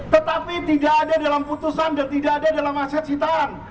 tetapi tidak ada dalam putusan dan tidak ada dalam aset sitaan